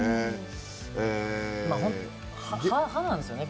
歯なんですよね